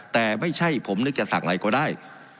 แต่ไม่ใช่ผมนึกจะสั่งอะไรก็ได้